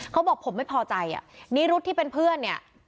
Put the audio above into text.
เขาบอกผมไม่พอใจเนี่ยเรื่องรุษเนี่ย